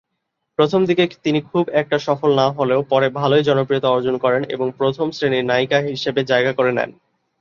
প্রথমদিকে তিনি খুব একটা সফল না হলেও পরে ভালোই জনপ্রিয়তা অর্জন করেন এবং প্রথম শ্রেণীর নায়িকা হিসেবে জায়গা করে নেন।